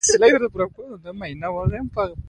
ملک صاحب تل په پردیو غویانواوبه اچوي.